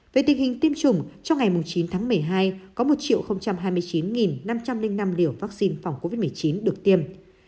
về tình hình tiêm chủng trong ngày chín tháng một mươi hai có một hai mươi chín năm trăm linh năm liều vaccine phòng covid một mươi chín được tiêm